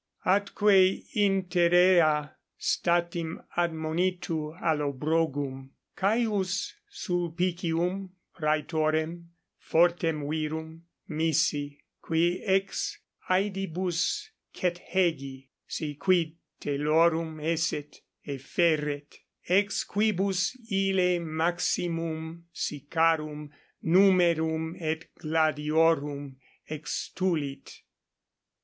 Atque interea statim admonitu Allobrogum C. Sulpicium praetorem, fortem virum, misi, qui ex aedibus Cethegi, si quid telorum esset, efferret, ex quibus ille maximum sicarum numerum et gladiorum extulit.